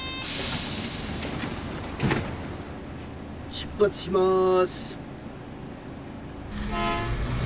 「出発します」。